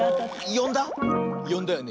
よんだよね？